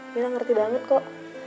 mira ngerti banget kok